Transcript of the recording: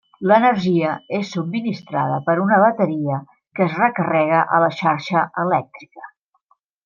L'energia és subministrada per una bateria que es recarrega a la xarxa elèctrica.